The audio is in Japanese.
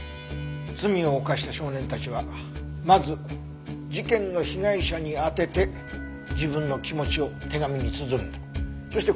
罪を犯した少年たちはまず事件の被害者に宛てて自分の気持ちを手紙に綴るんだ。